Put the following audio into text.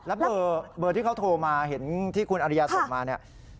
แล้วเบอร์ที่เขาโทรมาเห็นที่คุณอริยาส่งมาเนี่ย